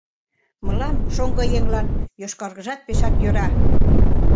Мылам, шоҥго еҥлан, йошкаргыжат пешак йӧра.